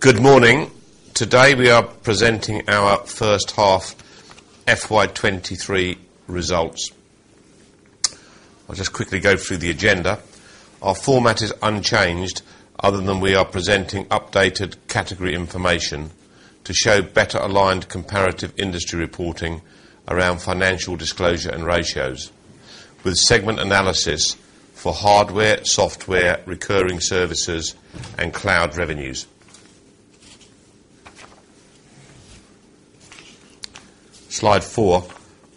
Good morning. Today, we are presenting our first half FY 2023 results. I'll just quickly go through the agenda. Our format is unchanged other than we are presenting updated category information to show better aligned comparative industry reporting around financial disclosure and ratios with segment analysis for hardware, software, recurring services, and cloud revenues. Slide four,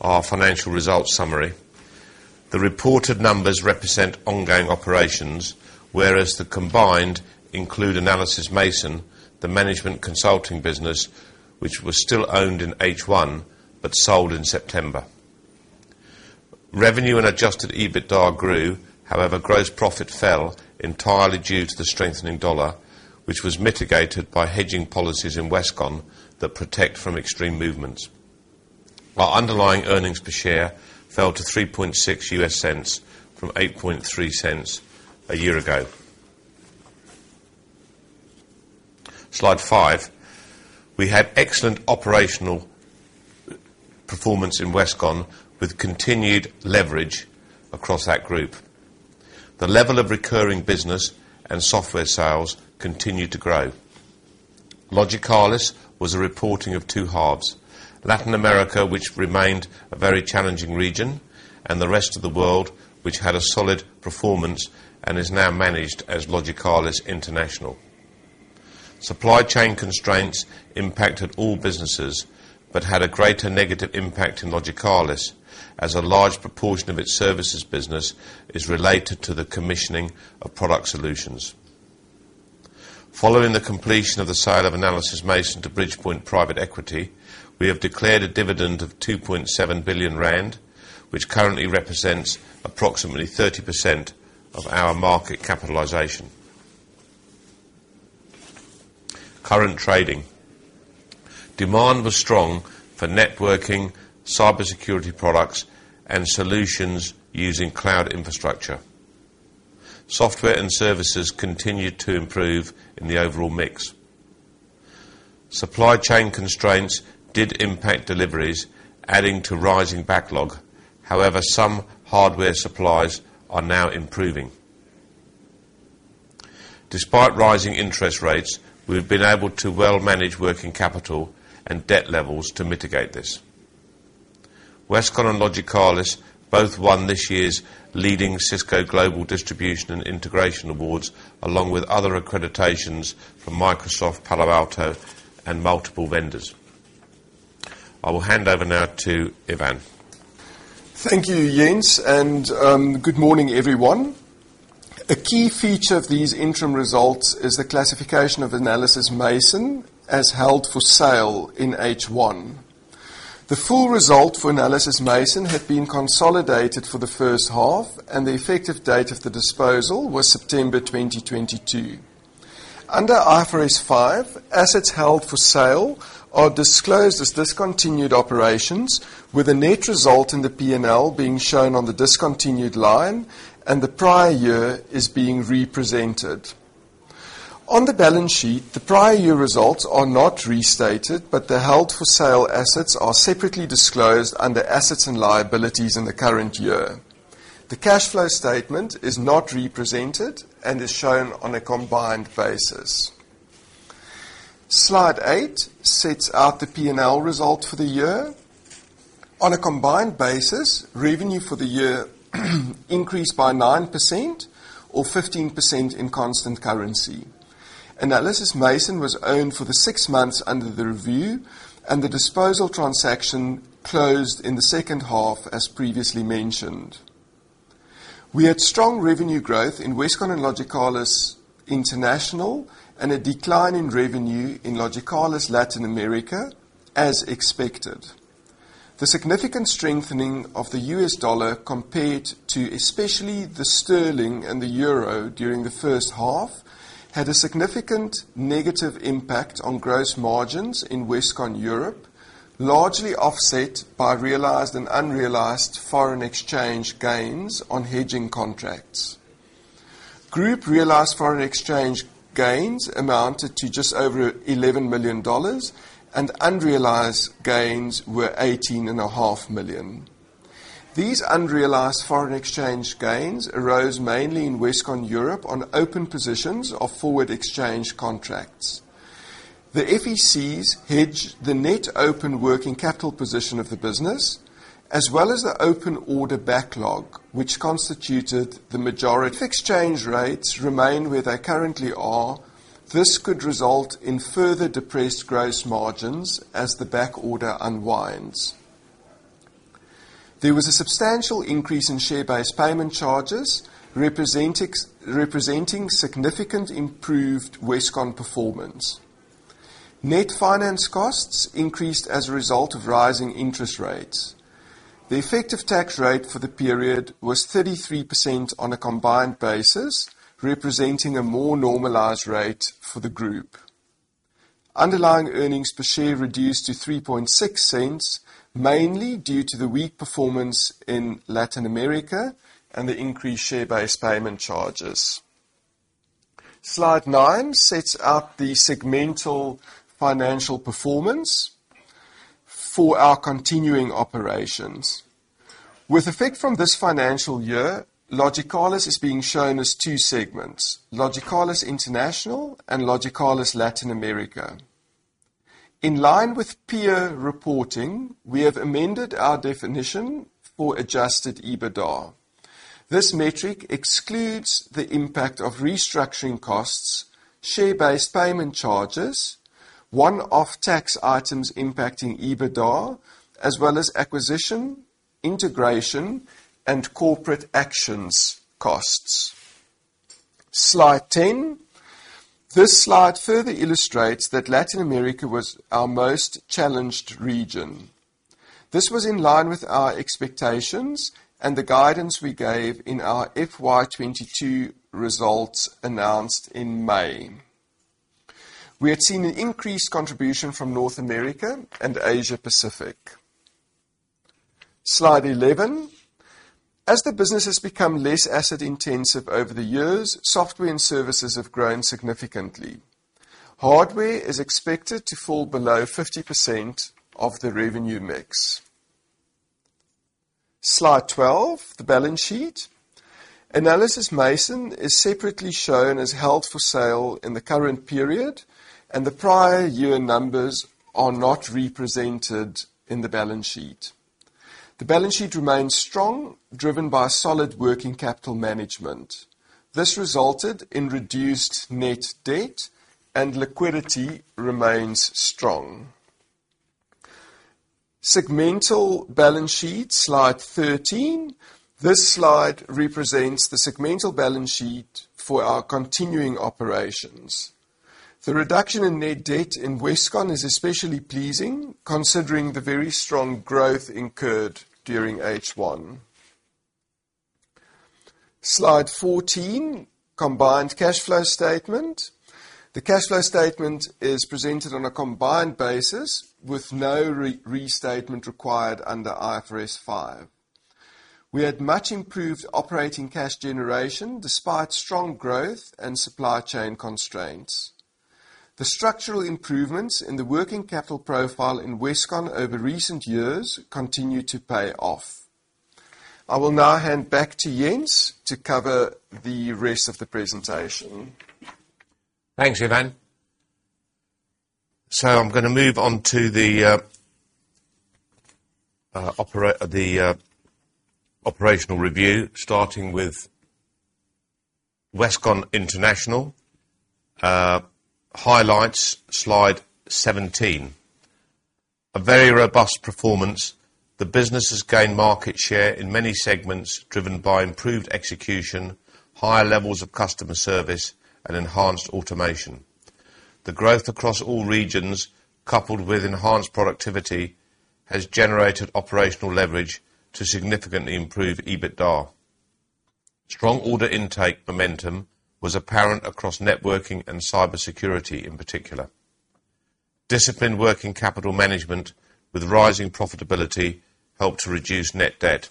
our financial results summary. The reported numbers represent ongoing operations, whereas the combined include Analysys Mason, the management consulting business, which was still owned in H1 but sold in September. Revenue and adjusted EBITDA grew. Gross profit fell entirely due to the strengthening dollar, which was mitigated by hedging policies in Westcon that protect from extreme movements. Our underlying earnings per share fell to $0.036 from $0.083 a year ago. Slide five. We had excellent operational performance in Westcon with continued leverage across that group. The level of recurring business and software sales continued to grow. Logicalis was a reporting of two halves. Latin America, which remained a very challenging region, and the Rest of the World, which had a solid performance and is now managed as Logicalis International. Supply chain constraints impacted all businesses, but had a greater negative impact in Logicalis as a large proportion of its services business is related to the commissioning of product solutions. Following the completion of the sale of Analysys Mason to Bridgepoint Private Equity, we have declared a dividend of 2.7 billion rand, which currently represents approximately 30% of our market capitalization. Current trading. Demand was strong for networking, cybersecurity products, and solutions using cloud infrastructure. Software and services continued to improve in the overall mix. Supply chain constraints did impact deliveries adding to rising backlog. However, some hardware supplies are now improving. Despite rising interest rates, we've been able to well manage working capital and debt levels to mitigate this. Westcon and Logicalis both won this year's leading Cisco Partner Summit Global Awards, along with other accreditations from Microsoft, Palo Alto, and multiple vendors. I will hand over now to Ivan. Thank you, Jens, and good morning, everyone. A key feature of these interim results is the classification of Analysys Mason as held for sale in H1. The full result for Analysys Mason had been consolidated for the first half, and the effective date of the disposal was September 2022. Under IFRS 5, assets held for sale are disclosed as discontinued operations with a net result in the P&L being shown on the discontinued line and the prior year is being represented. On the balance sheet, the prior year results are not restated, but the held for sale assets are separately disclosed under assets and liabilities in the current year. The cash flow statement is not represented and is shown on a combined basis. Slide eight sets out the P&L result for the year. On a combined basis, revenue for the year increased by 9% or 15% in constant currency. Analysys Mason was owned for the six months under the review, and the disposal transaction closed in the second half as previously mentioned. We had strong revenue growth in Westcon and Logicalis International and a decline in revenue in Logicalis Latin America as expected. The significant strengthening of the U.S. dollar compared to especially the sterling and the euro during the first half had a significant negative impact on gross margins in Westcon Europe, largely offset by realized and unrealized foreign exchange gains on hedging contracts. Group realized foreign exchange gains amounted to just over $11 million, and unrealized gains were $18.5 million. These unrealized foreign exchange gains arose mainly in Westcon Europe on open positions of Forward Exchange Contracts. The FECs hedge the net open working capital position of the business, as well as the open order backlog, which constituted the majority. If exchange rates remain where they currently are, this could result in further depressed gross margins as the back order unwinds. There was a substantial increase in share-based payment charges representing significant improved Westcon performance. Net finance costs increased as a result of rising interest rates. The effective tax rate for the period was 33% on a combined basis, representing a more normalized rate for the group. Underlying earnings per share reduced to $0.036, mainly due to the weak performance in Latin America and the increased share-based payment charges. Slide nine sets out the segmental financial performance for our continuing operations. With effect from this financial year, Logicalis is being shown as two segments, Logicalis International and Logicalis Latin America. In line with peer reporting, we have amended our definition for adjusted EBITDA. This metric excludes the impact of restructuring costs, share-based payment charges, one-off tax items impacting EBITDA, as well as acquisition, integration, and corporate actions costs. Slide 10. This slide further illustrates that Latin America was our most challenged region. This was in line with our expectations and the guidance we gave in our FY 2022 results announced in May. We had seen an increased contribution from North America and Asia-Pacific. Slide 11. As the business has become less asset-intensive over the years, software and services have grown significantly. Hardware is expected to fall below 50% of the revenue mix. Slide 12, the balance sheet. Analysys Mason is separately shown as held for sale in the current period, and the prior year numbers are not represented in the balance sheet. The balance sheet remains strong, driven by solid working capital management. This resulted in reduced net debt and liquidity remains strong. Segmental balance sheet, Slide 13. This slide represents the segmental balance sheet for our continuing operations. The reduction in net debt in Westcon is especially pleasing, considering the very strong growth incurred during H1. Slide 14, combined cash flow statement. The cash flow statement is presented on a combined basis with no re-restatement required under IFRS 5. We had much improved operating cash generation despite strong growth and supply chain constraints. The structural improvements in the working capital profile in Westcon over recent years continue to pay off. I will now hand back to Jens to cover the rest of the presentation. Thanks, Ivan. I'm gonna move on to the operational review, starting with Westcon International. Highlights, slide 17. A very robust performance. The business has gained market share in many segments, driven by improved execution, higher levels of customer service, and enhanced automation. The growth across all regions, coupled with enhanced productivity, has generated operational leverage to significantly improve EBITDA. Strong order intake momentum was apparent across networking and cybersecurity in particular. Disciplined working capital management with rising profitability helped to reduce net debt.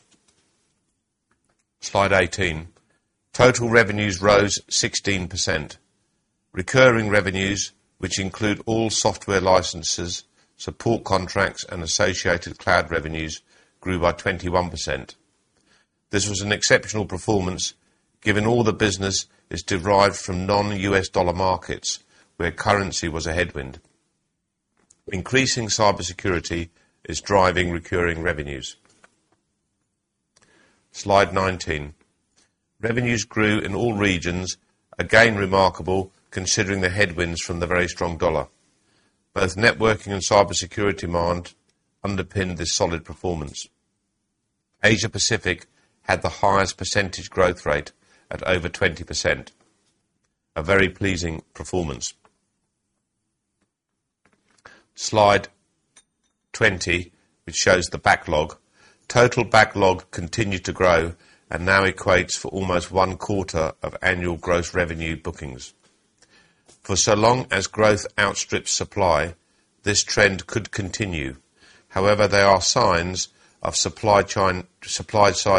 Slide 18, total revenues rose 16%. Recurring revenues, which include all software licenses, support contracts, and associated cloud revenues, grew by 21%. This was an exceptional performance given all the business is derived from non-U.S. dollar markets, where currency was a headwind. Increasing cybersecurity is driving recurring revenues. Slide 19, revenues grew in all regions, again remarkable considering the headwinds from the very strong dollar. Both networking and cybersecurity demand underpinned this solid performance. Asia-Pacific had the highest percentage growth rate at over 20%. A very pleasing performance. Slide 20, which shows the backlog. Total backlog continued to grow and now equates for almost one quarter of annual gross revenue bookings. For so long as growth outstrips supply, this trend could continue. There are signs of supply-side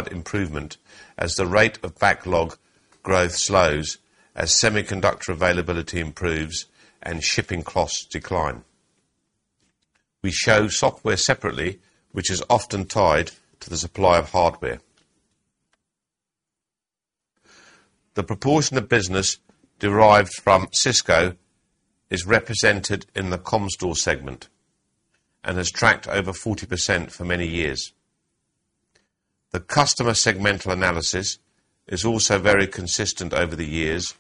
improvement as the rate of backlog growth slows, as semiconductor availability improves, and shipping costs decline. We show software separately, which is often tied to the supply of hardware. The proportion of business derived from Cisco is represented in the Comstor segment and has tracked over 40% for many years. The customer segmental analysis is also very consistent over the years,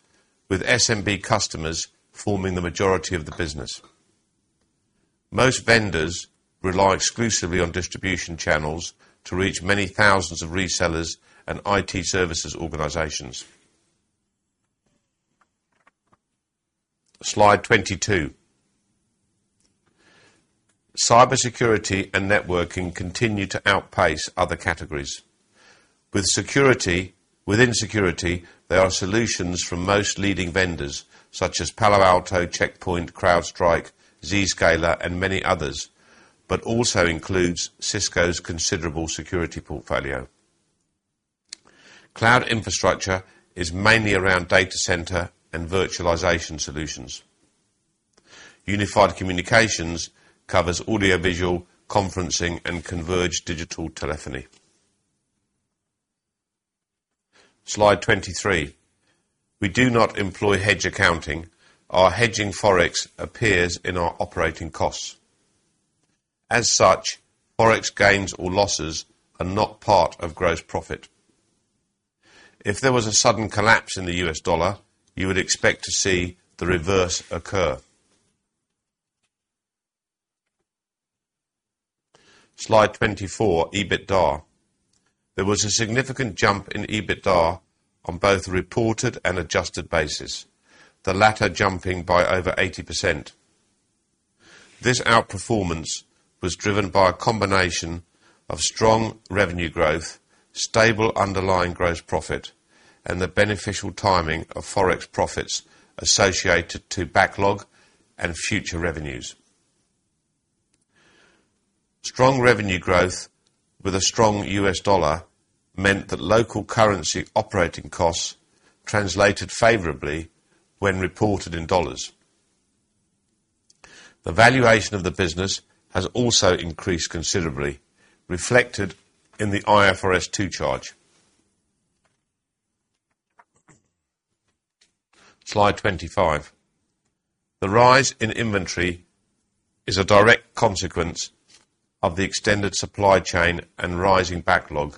with SMB customers forming the majority of the business. Most vendors rely exclusively on distribution channels to reach many thousands of resellers and IT services organizations. Slide 22. Cybersecurity and networking continue to outpace other categories. Within security, there are solutions from most leading vendors such as Palo Alto, Check Point, CrowdStrike, Zscaler, and many others, but also includes Cisco's considerable security portfolio. Cloud infrastructure is mainly around data center and virtualization solutions. Unified communications covers audio-visual, conferencing, and converged digital telephony. Slide 23. We do not employ hedge accounting. Our hedging Forex appears in our operating costs. As such, Forex gains or losses are not part of gross profit. If there was a sudden collapse in the U.S. dollar, you would expect to see the reverse occur. Slide 24, EBITDA. There was a significant jump in EBITDA on both reported and adjusted basis, the latter jumping by over 80%. This outperformance was driven by a combination of strong revenue growth, stable underlying gross profit, and the beneficial timing of Forex profits associated to backlog and future revenues. Strong revenue growth with a strong U.S. dollar meant that local currency operating costs translated favorably when reported in dollars. The valuation of the business has also increased considerably, reflected in the IFRS 2 charge. Slide 25. The rise in inventory is a direct consequence of the extended supply chain and rising backlog,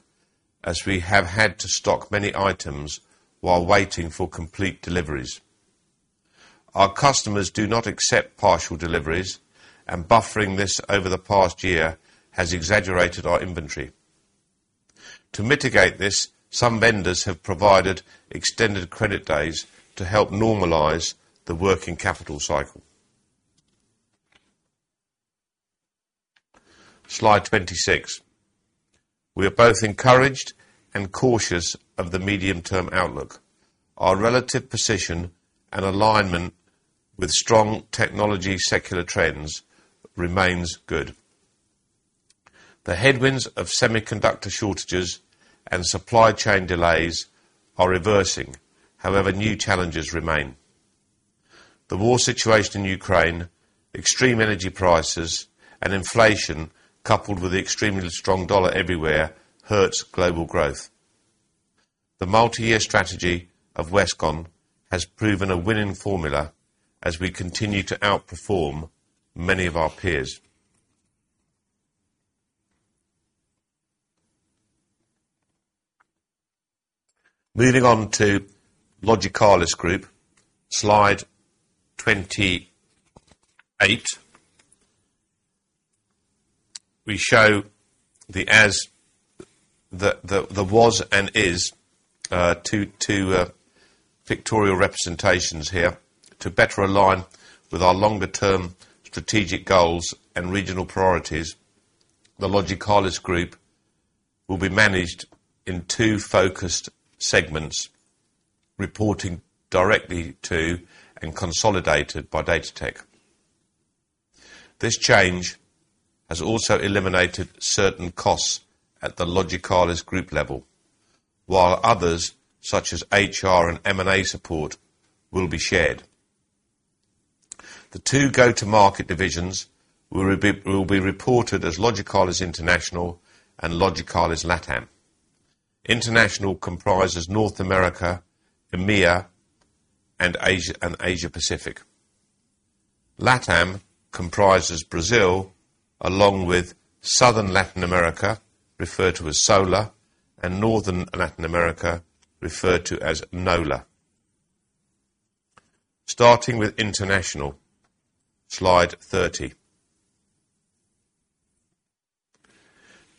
as we have had to stock many items while waiting for complete deliveries. Our customers do not accept partial deliveries, and buffering this over the past year has exaggerated our inventory. To mitigate this, some vendors have provided extended credit days to help normalize the working capital cycle. Slide 26. We are both encouraged and cautious of the medium-term outlook. Our relative position and alignment with strong technology secular trends remains good. The headwinds of semiconductor shortages and supply chain delays are reversing. However, new challenges remain. The war situation in Ukraine, extreme energy prices, and inflation, coupled with the extremely strong dollar everywhere, hurts global growth. The multi-year strategy of Westcon has proven a winning formula as we continue to outperform many of our peers. Moving on to Logicalis Group, slide 28. We show the two pictorial representations here to better align with our longer-term strategic goals and regional priorities. The Logicalis Group will be managed in two focused segments, reporting directly to and consolidated by Datatec. This change has also eliminated certain costs at the Logicalis Group level, while others, such as HR and M&A support, will be shared. The two go-to-market divisions will be reported as Logicalis International and Logicalis LATAM. International comprises North America, EMEA, and Asia-Pacific. LATAM comprises Brazil along with Southern Latin America, referred to as SOLA, and Northern Latin America, referred to as NOLA. Starting with International, slide 30.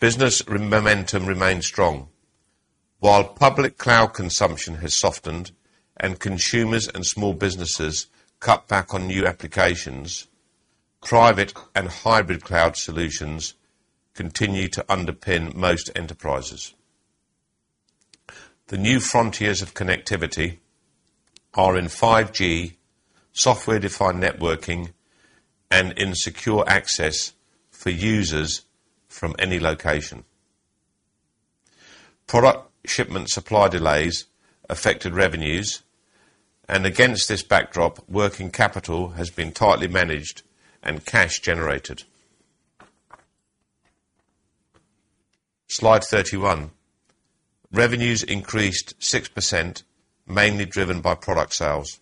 Business momentum remains strong. While public cloud consumption has softened and consumers and small businesses cut back on new applications, private and hybrid cloud solutions continue to underpin most enterprises. The new frontiers of connectivity are in 5G, software-defined networking, and in secure access for users from any location. Product shipment supply delays affected revenues, and against this backdrop, working capital has been tightly managed and cash generated. Slide 31. Revenues increased 6%, mainly driven by product sales.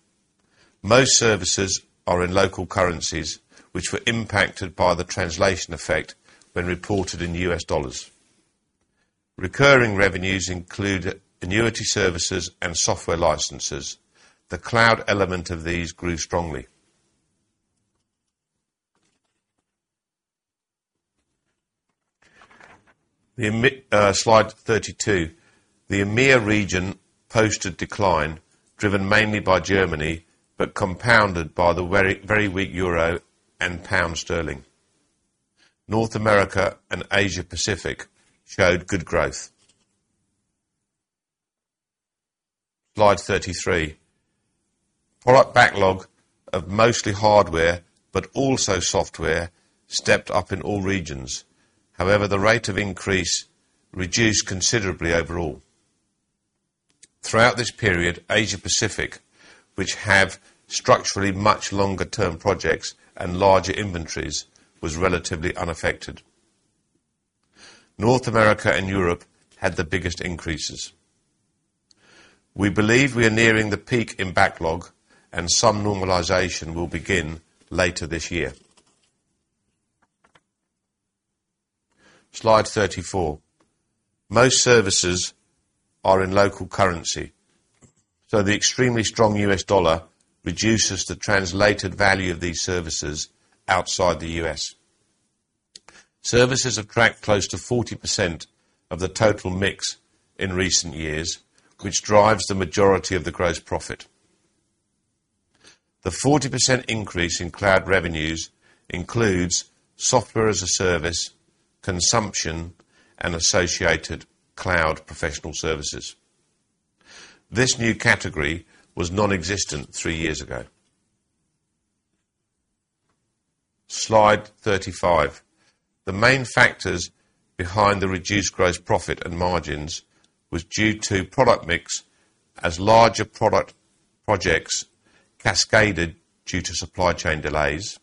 Most services are in local currencies, which were impacted by the translation effect when reported in U.S. dollars. Recurring revenues include annuity services and software licenses. The cloud element of these grew strongly. The slide 32. The EMEA region posted decline driven mainly by Germany, but compounded by the very, very weak euro and pound sterling. North America and Asia-Pacific showed good growth. Slide 33. Product backlog of mostly hardware, but also software, stepped up in all regions. The rate of increase reduced considerably overall. Throughout this period, Asia-Pacific, which have structurally much longer-term projects and larger inventories, was relatively unaffected. North America and Europe had the biggest increases. We believe we are nearing the peak in backlog and some normalization will begin later this year. Slide 34. Most services are in local currency. The extremely strong U.S. dollar reduces the translated value of these services outside the U.S. Services attract close to 40% of the total mix in recent years, which drives the majority of the gross profit. The 40% increase in cloud revenues includes software as a service, consumption, and associated cloud professional services. This new category was nonexistent three years ago. Slide 35. The main factors behind the reduced gross profit and margins was due to product mix as larger product projects cascaded due to supply chain delays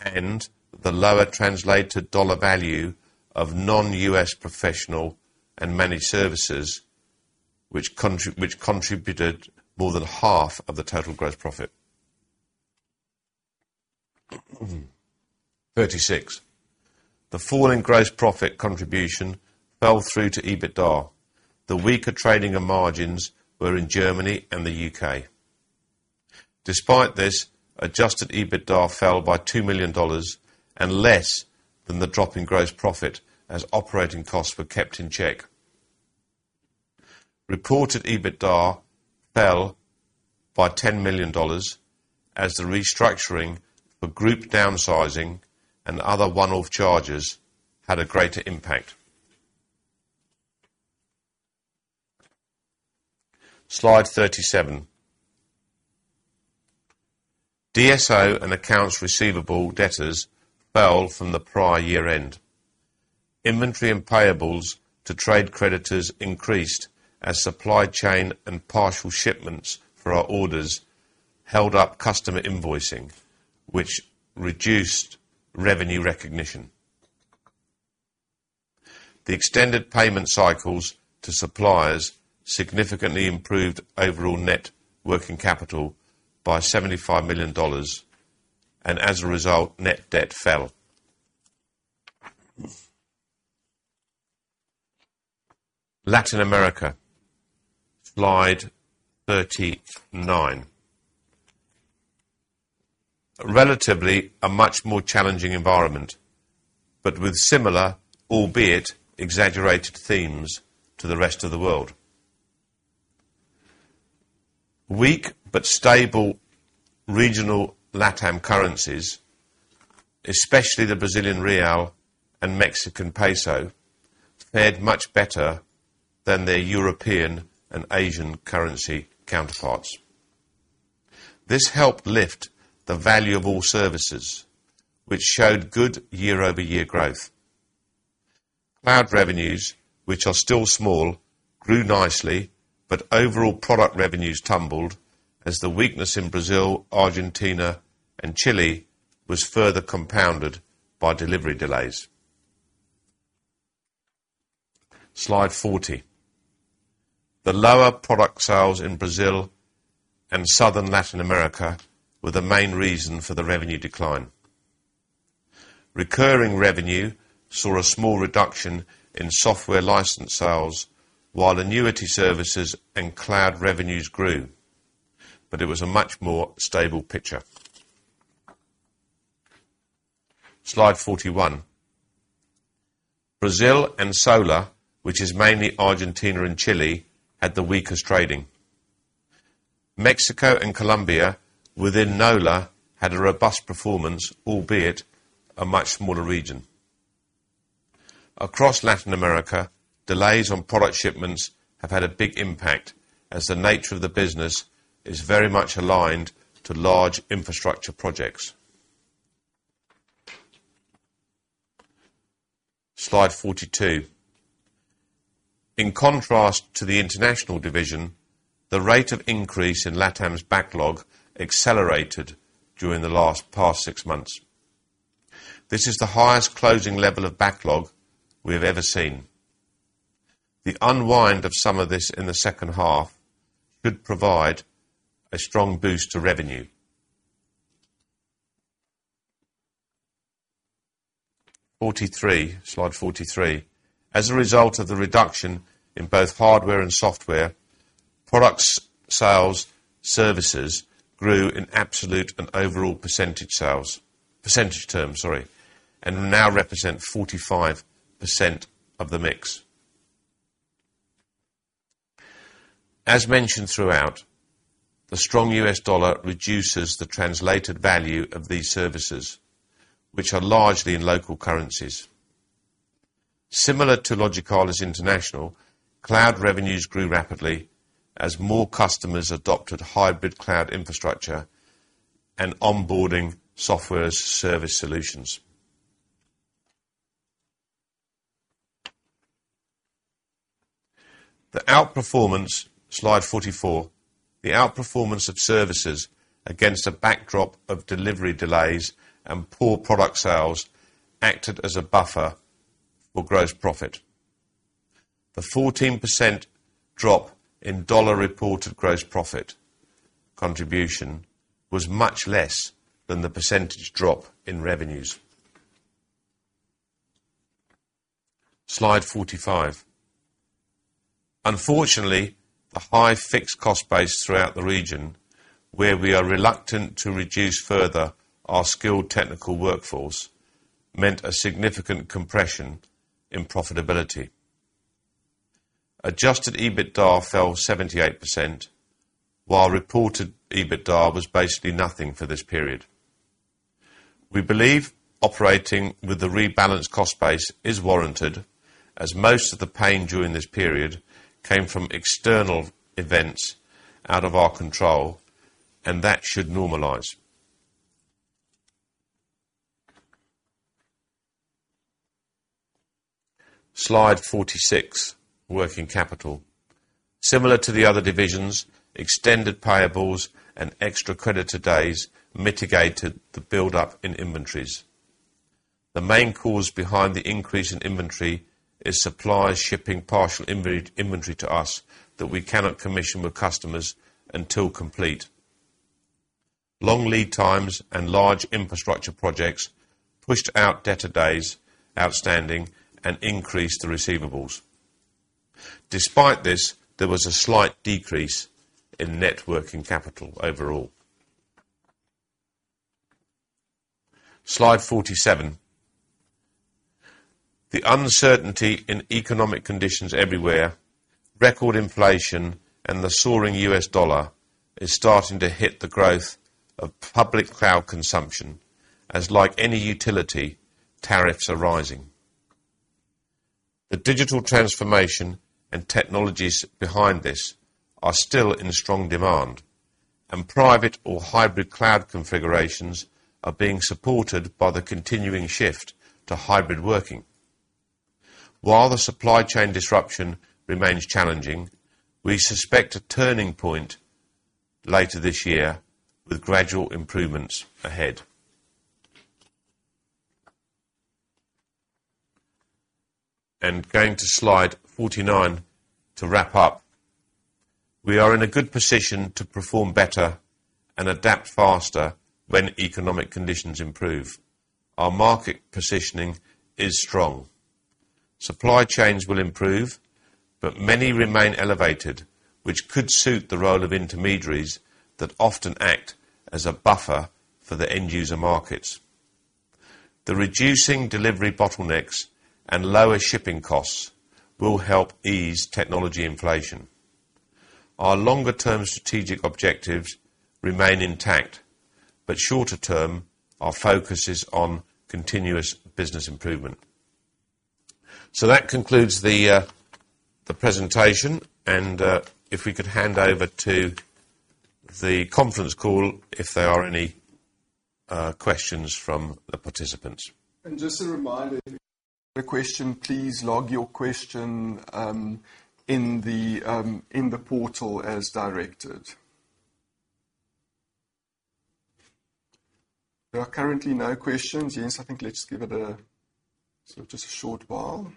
and the lower translated dollar value of non-U.S. professional and managed services which contributed more than half of the total gross profit. 36. The fall in gross profit contribution fell through to EBITDA. The weaker trading and margins were in Germany and the U.K. Despite this, adjusted EBITDA fell by $2 million and less than the drop in gross profit as operating costs were kept in check. Reported EBITDA fell by $10 million as the restructuring of group downsizing and other one-off charges had a greater impact. Slide 37. DSO and accounts receivable debtors fell from the prior year-end. Inventory and payables to trade creditors increased as supply chain and partial shipments for our orders held up customer invoicing, which reduced revenue recognition. The extended payment cycles to suppliers significantly improved overall net working capital by $75 million and as a result, net debt fell. Latin America, slide 39. Relatively a much more challenging environment, but with similar, albeit exaggerated themes to the rest of the world. Weak but stable regional LATAM currencies, especially the Brazilian real and Mexican peso, fared much better than their European and Asian currency counterparts. This helped lift the valuable services which showed good year-over-year growth. Cloud revenues, which are still small, grew nicely, overall product revenues tumbled as the weakness in Brazil, Argentina, and Chile was further compounded by delivery delays. Slide 40. The lower product sales in Brazil and Southern Latin America were the main reason for the revenue decline. Recurring revenue saw a small reduction in software license sales, while annuity services and cloud revenues grew, it was a much more stable picture. Slide 41. Brazil and SOLA, which is mainly Argentina and Chile, had the weakest trading. Mexico and Colombia within NOLA had a robust performance, albeit a much smaller region. Across Latin America, delays on product shipments have had a big impact as the nature of the business is very much aligned to large infrastructure projects. Slide 42. In contrast to the international division, the rate of increase in LATAM's backlog accelerated during the last past six months. This is the highest closing level of backlog we have ever seen. The unwind of some of this in the second half could provide a strong boost to revenue. 43. Slide 43. As a result of the reduction in both hardware and software products, sales services grew in absolute and overall percentage terms, sorry, and now represent 45% of the mix. As mentioned throughout, the strong U.S. dollar reduces the translated value of these services, which are largely in local currencies. Similar to Logicalis International, cloud revenues grew rapidly as more customers adopted hybrid cloud infrastructure and onboarding software as a service solutions. The outperformance Slide 44. The outperformance of services against a backdrop of delivery delays and poor product sales acted as a buffer for gross profit. The 14% drop in dollar reported gross profit contribution was much less than the percentage drop in revenues. Slide 45. Unfortunately, the high fixed cost base throughout the region, where we are reluctant to reduce further our skilled technical workforce, meant a significant compression in profitability. Adjusted EBITDA fell 78%, while reported EBITDA was basically nothing for this period. We believe operating with the rebalanced cost base is warranted, as most of the pain during this period came from external events out of our control, and that should normalize. Slide 46, working capital. Similar to the other divisions, extended payables and extra credit days mitigated the buildup in inventories. The main cause behind the increase in inventory is suppliers shipping partial inventory to us that we cannot commission with customers until complete. Long lead times and large infrastructure projects pushed out debtor days outstanding and increased the receivables. Despite this, there was a slight decrease in net working capital overall. Slide 47. The uncertainty in economic conditions everywhere, record inflation, and the soaring U.S. dollar is starting to hit the growth of public cloud consumption, as like any utility, tariffs are rising. The digital transformation and technologies behind this are still in strong demand, and private or hybrid cloud configurations are being supported by the continuing shift to hybrid working. While the supply chain disruption remains challenging, we suspect a turning point later this year with gradual improvements ahead. Going to slide 49 to wrap up. We are in a good position to perform better and adapt faster when economic conditions improve. Our market positioning is strong. Supply chains will improve, but many remain elevated, which could suit the role of intermediaries that often act as a buffer for the end user markets. The reducing delivery bottlenecks and lower shipping costs will help ease technology inflation. Our longer-term strategic objectives remain intact, but shorter term, our focus is on continuous business improvement. That concludes the presentation. If we could hand over to the conference call, if there are any questions from the participants. Just a reminder, if you have a question, please log your question in the portal as directed. There are currently no questions. Yes, I think let's give it just a short while.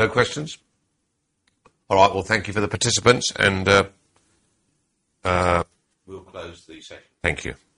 No questions? All right. Well, thank you for the participants. We'll close the session. Thank you. Thank you.